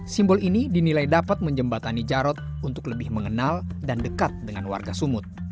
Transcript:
simbol ini dinilai dapat menjembatani jarod untuk lebih mengenal dan dekat dengan warga sumut